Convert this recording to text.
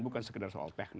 bukan sekedar soal teknik